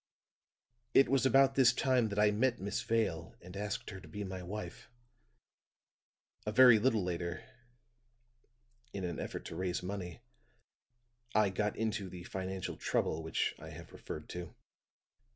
"It was about this time that I met Miss Vale and asked her to be my wife; a very little later, in an effort to raise money, I got into the financial trouble which I have referred to.